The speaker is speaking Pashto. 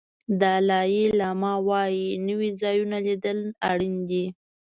دالای لاما وایي نوي ځایونه لیدل اړین دي.